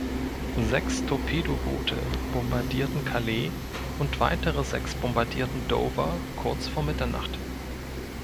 Sechs Torpedoboote bombardierten Calais und weitere sechs bombardierten Dover kurz vor Mitternacht.